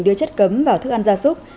đưa chất cấm vào thức ăn gia súc